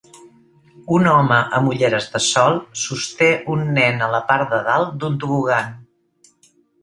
un home amb ulleres de sol sosté un nen a la part de dalt d'un tobogan